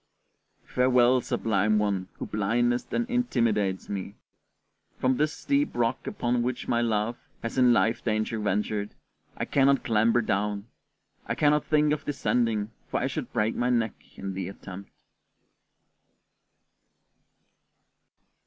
Farewell, sublime one who blindest and intimidatest me! From this steep rock upon which my love has in life danger ventured, I cannot clamber down. I cannot think of descending, for I should break my neck in the attempt.